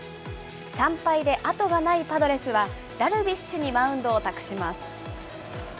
３敗であとがないパドレスは、ダルビッシュにマウンドを託します。